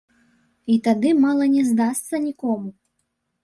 І тады мала не здасца нікому.